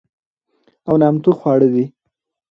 او نامتو خواړه دي،